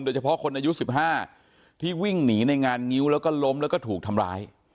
โดยเฉพาะคนอายุ๑๕ที่วิ่งหนีในงานงิ้วแล้วก็ล้มแล้วก็ถูกทำร้าย